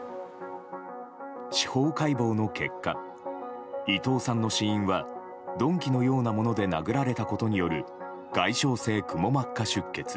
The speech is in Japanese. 司法解剖の結果伊藤さんの死因は鈍器のようなもので殴られたことによる外傷性くも膜下出血。